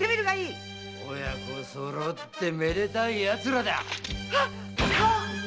親子そろってめでたい奴らだ！